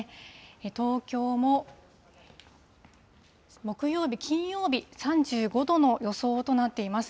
東京も木曜日、金曜日、３５度の予想となっています。